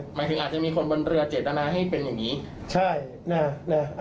หมายถึงอาจจะมีคนบนเรือเจตนาให้เป็นอย่างนี้ใช่นะ